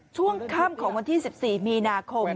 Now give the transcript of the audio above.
ช่วงค่ำของวันที่๑๔มีนาคม